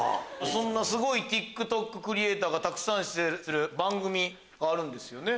そんなすごいＴｉｋＴｏｋクリエーターがたくさん出演する番組があるんですよね。